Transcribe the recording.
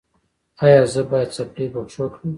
ایا زه باید څپلۍ په پښو کړم؟